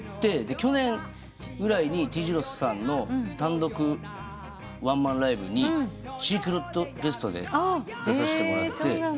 去年ぐらいにＴ字路ｓさんの単独ワンマンライブにシークレットゲストで出させてもらって。